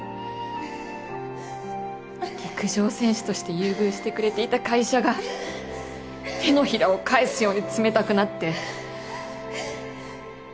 陸上選手として優遇してくれていた会社が手のひらを返すように冷たくなって。